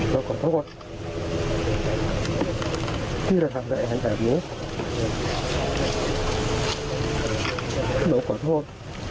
โดยขอโทษที่เราทำแอดแบบนี้โดยขอโทษ